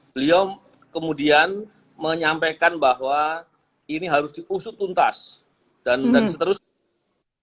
beliau kemudian menyampaikan bahwa ini harus diusut tuntas dan seterusnya